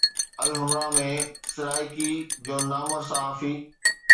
الحمراء ۾ سرائڪي جو نامور صحافي